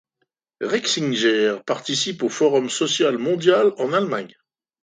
Riexinger participe au Forum social mondial en Allemagne.